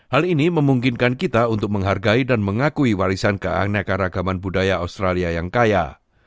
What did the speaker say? hal ini memungkinkan kita untuk menghargai dan mengakui warisan keaneka ragaman budaya australia yang kaya